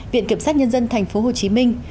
viện kiểm sát nhân dân tp hồ chí minh